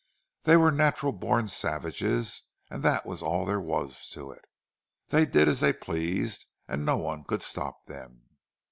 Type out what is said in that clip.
They were natural born savages, and that was all there was to it. They did as they pleased, and no one could stop them.